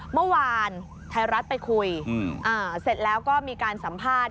เมื่อวานไทยรัฐไปคุยเสร็จแล้วก็มีการสัมภาษณ์